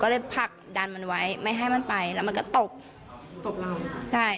ก็เลยผลักดันมันไว้ไม่ให้มันไปแล้วมันก็ตกตกเราใช่